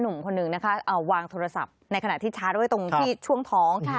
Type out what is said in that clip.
หนุ่มคนหนึ่งนะคะเอาวางโทรศัพท์ในขณะที่ชาร์จไว้ตรงที่ช่วงท้อง